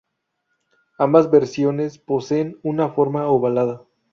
Ambas versiones poseen una forma ovalada.